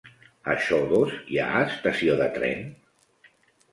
A Xodos hi ha estació de tren?